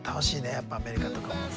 やっぱアメリカとかも。